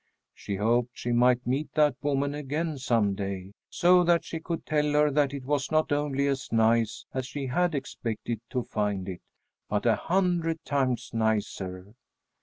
She hoped she might meet that woman again some day, so that she could tell her that it was not only as nice as she had expected to find it, but a hundred times nicer.